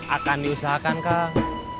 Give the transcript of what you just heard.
akan diusahakan kang